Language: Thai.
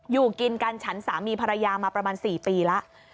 อยู่กินกันฉันสามีภรรยามาประมาณ๔ปีแล้ว